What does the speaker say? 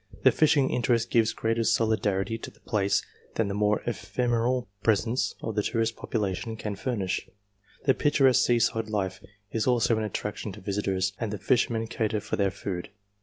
The fishing interest gives greater solidity to the place than the more ephemeral presence of the tourist population can furnish ; the picturesque seaside life is also an attraction to visitors, and the fishermen cater for their food.